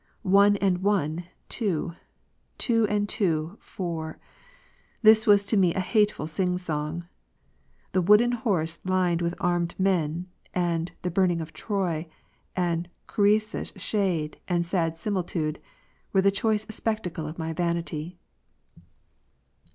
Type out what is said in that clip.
" One and one, two;" " two and two, four;" 1 this was to me a hateful sing song :" the wooden horse lined with armed men," and "the burning of Troy," and " Creusa's ^n. 2. shade and sad similitude," were the choice spectacle of my vanity.